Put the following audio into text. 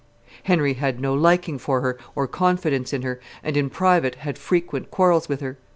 Henry had no liking for her or confidence in her, and in private had frequent quarrels with her.